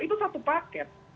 itu satu paket